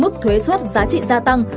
mức thuế xuất giá trị gia tăng